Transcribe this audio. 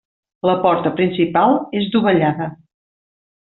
La porta principal és dovellada.